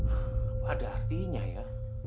apa ada artinya ya